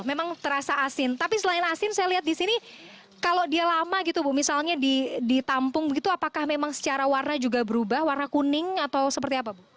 memang terasa asin tapi selain asin saya lihat di sini kalau dia lama gitu bu misalnya ditampung begitu apakah memang secara warna juga berubah warna kuning atau seperti apa bu